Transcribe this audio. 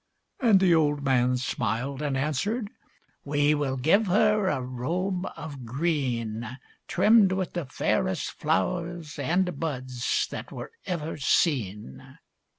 And the old man smiled and answered, "We will give her a robe of green; Trimmed with the fairest flowers, And buds, that were ever seen!"